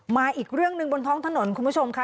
มาอีกเรื่องหนึ่งบนท้องถนนคุณผู้ชมค่ะ